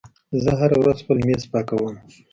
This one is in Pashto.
زه هره ورځ خپل میز پاکوم.